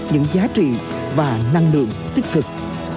những giá trị và năng lượng tích cực